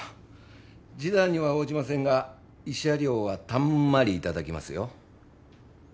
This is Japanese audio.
示談には応じませんが慰謝料はたんまり頂きますよ。